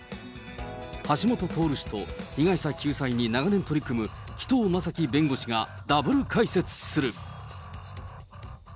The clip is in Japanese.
橋下徹氏と、被害者救済に長年取り組む紀藤正樹弁護士がＷ解説する。